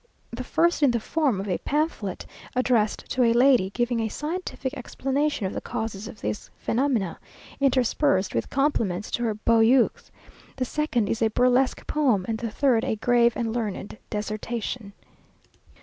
the first in the form of a pamphlet, addressed to a lady, giving a scientific explanation of the causes of these phenomena, interspersed with compliments to her beaux yeux; the second is a burlesque poem; and the third a grave and learned dissertation.